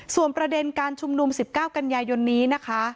ส่วนประเด็นการชุมนุม๑๙กันยายนนี้นะคะ